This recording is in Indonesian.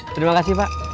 terima kasih pak